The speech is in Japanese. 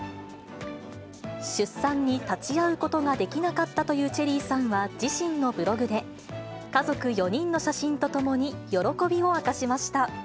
出産に立ち会うことができなかったというチェリーさんは、自身のブログで家族４人の写真とともに喜びを明かしました。